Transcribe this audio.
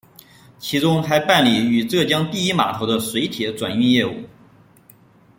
其中还办理与浙江第一码头的水铁转运业务。